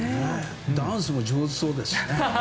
ダンスも上手そうですね。